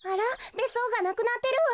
べっそうがなくなってるわ。